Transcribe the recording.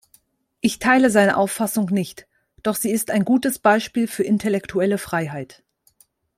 Ich teile seine Auffassung nicht, doch sie ist ein gutes Beispiel für intellektuelle Freiheit.